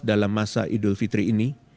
dalam masa idul fitri ini